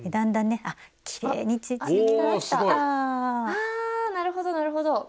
あなるほどなるほど。